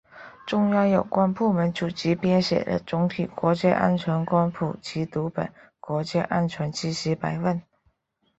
中央有关部门组织编写了总体国家安全观普及读本——《国家安全知识百问》